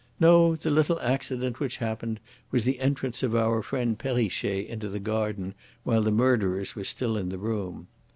No; the little accident which happened was the entrance of our friend Perrichet into the garden while the murderers were still in the room.